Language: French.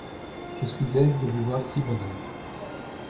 Je suis aise de vous voir si bon air.